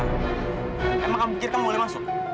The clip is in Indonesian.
emang kamu pikir kamu boleh masuk